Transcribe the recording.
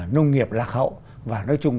nông nghiệp lạc hậu và nói chung